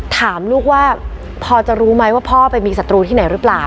ถามลูกว่าพอจะรู้ไหมว่าพ่อไปมีศัตรูที่ไหนหรือเปล่า